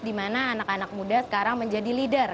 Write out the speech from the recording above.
di mana anak anak muda sekarang menjadi leader